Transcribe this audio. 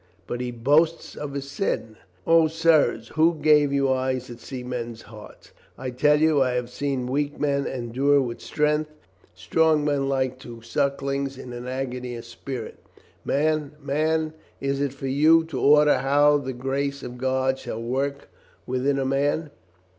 But he boasts of his sin ? O, sirs, who gave you eyes that see men's hearts ? I tell you, I have seen weak men endued with strength, strong men like to suck THE LIEUTENANT GENERAL SPEAKS 439 lings in an agony of spirit. Man, man, is it for you to order how the grace of God shall work within a man?